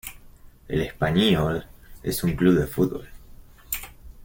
El Espanyol es un club de fútbol.